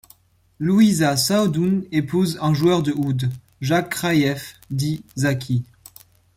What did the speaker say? Louisa Saâdoun épouse un joueur de oud, Jacques Khraïef, dit Zaki.